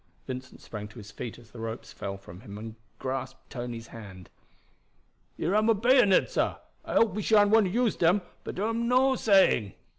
Vincent sprang to his feet as the ropes fell from him, and grasped Tony's hand. "Here am a bayonet, sah. I hope we sha'n't want to use dem, but dar am no saying."